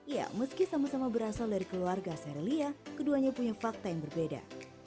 ya meski sama sama berasal dari keluarga serelia keduanya punya fakta yang berbeda